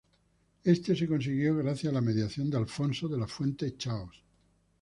Esto se consiguió gracias a la mediación de Alfonso de la Fuente Chaos.